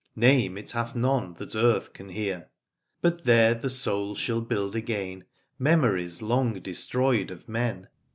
Name it hath none that earth can hear : But there thy soul shall build again Memories long destroyed of men.